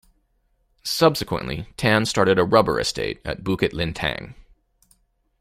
Subsequently, Tan started a rubber estate at Bukit Lintang.